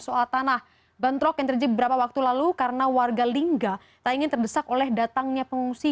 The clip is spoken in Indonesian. soal tanah bentrok yang terjadi beberapa waktu lalu karena warga lingga tak ingin terdesak oleh datangnya pengungsi